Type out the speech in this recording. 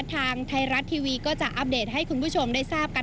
ทางไทยรัฐทีวีก็จะอัปเดตให้คุณผู้ชมได้ทราบกัน